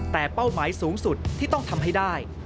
แต่เป้าหมายสูงสุดที่ต้องทำให้ได้